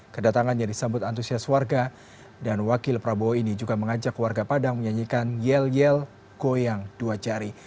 kedatangannya disambut antusias warga dan wakil prabowo ini juga mengajak warga padang menyanyikan yel yel goyang dua jari